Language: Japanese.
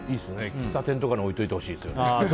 喫茶店とかに置いておいてほしいですよね。